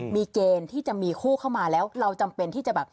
มีเกณฑ์ที่จะมีคู่เข้ามาแล้วเราจำเป็นที่จะแบบ